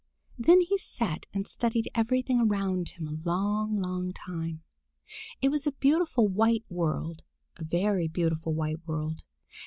Then he sat and studied everything around him a long, long time. It was a beautiful white world, a very beautiful white world.